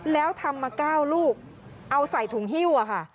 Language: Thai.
แล้วทำมา๙ลูกเอาใส่ถุงฮิ้วอะค่ะ